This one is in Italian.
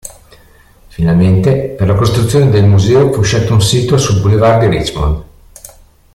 Finalmente, per la costruzione del museo fu scelto un sito sul Boulevard di Richmond.